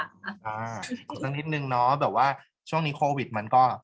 อีกสักนิดนึงเนาะแบบว่าช่วงนี้โควิดมันก็